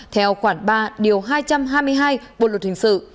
theo khoảng ba hai trăm hai mươi hai bộ luật hình sự